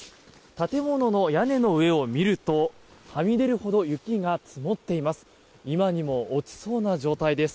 建物の屋根の上を見るとはみ出るほど雪が積もっています。